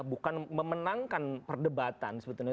bukan memenangkan perdebatan sebetulnya